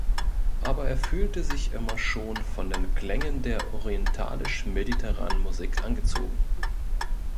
Aber er fühlte sich immer schon von den Klängen der orientalisch-mediterranen Musik angezogen.